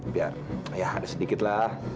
biar ya ada sedikit lah